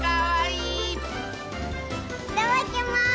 いただきます！